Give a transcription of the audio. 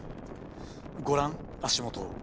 ご覧足元を。